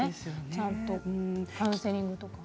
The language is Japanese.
ちゃんとカウンセリングとか。